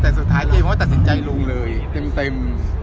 แต่สุดท้ายเจ๊เขาก็ตัดสินใจลงเลยเต็ม